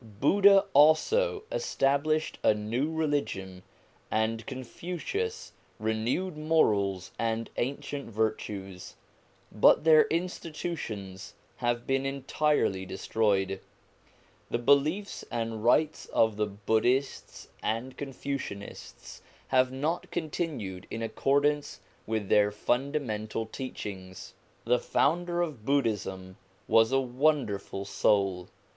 Buddha also established a new religion, and Confucius renewed morals and ancient virtues, but their institutions have been entirely destroyed. The beliefs and rites of the Buddhists and Confucianists have not continued hi accordance with their fundamental teachings. The founder of Buddhism was a wonderful soul.